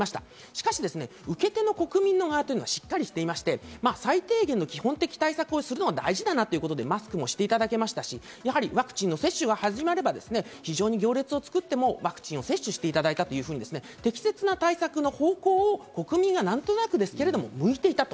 しかし受け手の国民の側というのはしっかりしていまして、最低限の基本的対策をするのは大事だなということでマスクもしていただけましたし、ワクチンの接種が始まれば非常に行列を作ってもワクチンを接種していただいたというふうに適切な対策の方向を国民が何となくですけれども向いていた。